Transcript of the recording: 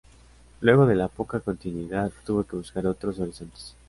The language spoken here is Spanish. Luego de la poca continuidad tuvo que buscar otros horizontes.